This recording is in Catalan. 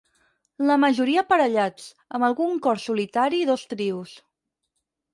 La majoria aparellats, amb algun cor solitari i dos trios.